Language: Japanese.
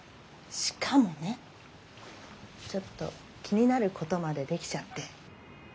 しかもねちょっと気になることまで出来ちゃって。